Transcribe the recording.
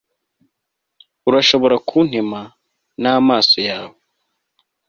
Urashobora kuntema namaso yawe